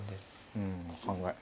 うん考え